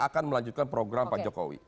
akan melanjutkan program pak jokowi